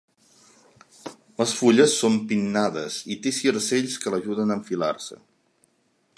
Les fulles són pinnades i té circells que l'ajuden a enfilar-se.